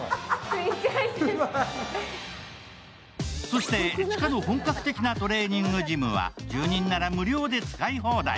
そして地下の本格的なトレーニングジムは、住人なら無料で使い放題。